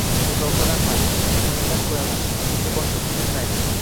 – Bezovtalanma, tayinlab qo‘yaman, senga boshqa teginmaydi